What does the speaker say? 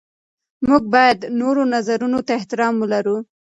موږ باید د نورو نظرونو ته احترام ولرو.